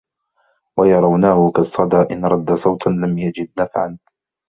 وَيَرَوْنَهُ كَالصَّدَى إنْ رَدَّ صَوْتًا لَمْ يَجِدْ نَفْعًا